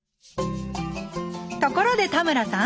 ところで田村さん！